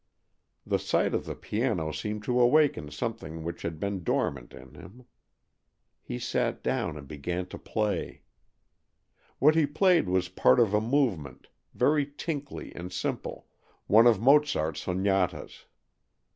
The sight of the piano seemed to awaken something which had been dormant in him. He sat down and began to play. What he played was part of a movement, very tinkly and simple, of one of Mozart's sonatas.